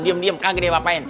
diem diem kaget deh ngapain